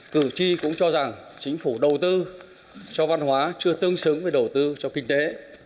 cử tri cũng cho rằng chính phủ đầu tư cho văn hóa chưa tương xứng với đầu tư cho kinh tế